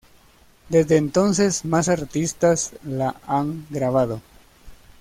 Desde entonces, más artistas la han grabado.